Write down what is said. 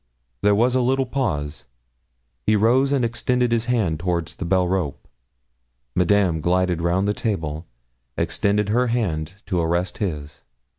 There was a little pause. He rose and extended his hand towards the bell rope. Madame glided round the table, extended her hand to arrest his.